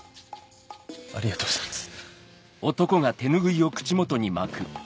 ありがとうございます。